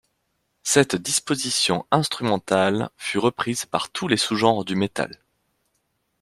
Cette disposition instrumentale fut reprise par tous les sous-genres du metal.